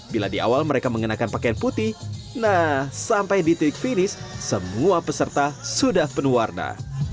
bila di awal mereka mengenakan pakaian putih nah sampai di titik finish semua peserta sudah penuh warna